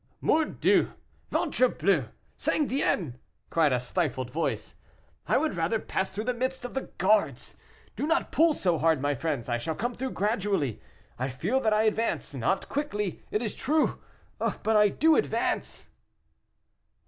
"Mordieu! ventrebleu! sangdien!" cried a stifled voice. "I would rather pass through the midst of the guards. Do not pull so hard, my friends; I shall come through gradually; I feel that I advance, not quickly, it is true, but I do advance."